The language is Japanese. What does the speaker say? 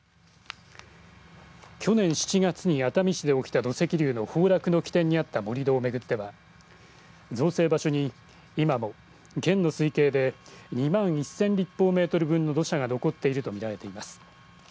去年７月に熱海市で起きた土石流の崩落の起点にあった盛り土を巡っては造成場所に今も県の推計で２万１０００立方メートル分の土砂が残っていると見られています。